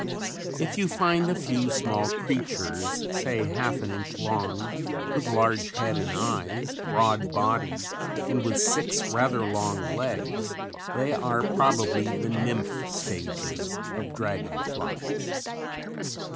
If you find a few small creatures, say half an inch long with large head and eyes, broad body and with six rather long legs they are probably the nymph stages of dragon flies.